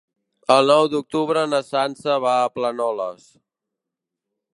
El nou d'octubre na Sança va a Planoles.